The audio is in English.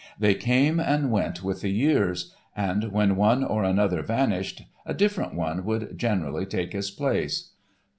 They came and went with the years and when one or another vanished a different one would generally take his place.